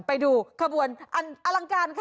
ไปดูขบวนอลังการค่ะ